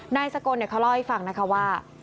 นายสกลเขาเล่าให้ฟังนะคะว่า